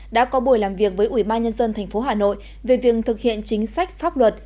đã có buổi làm việc với ủy ban nhân dân tp hà nội về việc thực hiện chính sách pháp luật